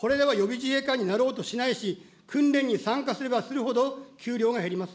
これでは予備自衛官になろうとしないし、訓練に参加すればするほど給料が減ります。